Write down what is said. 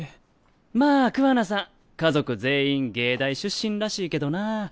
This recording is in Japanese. まあ桑名さん家族全員藝大出身らしいけどな。